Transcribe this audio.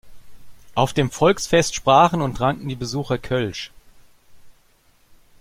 Auf dem Volksfest sprachen und tranken die Besucher Kölsch.